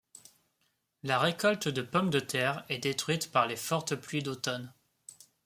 La récolte de pommes de terre est détruite par les fortes pluies d'automne.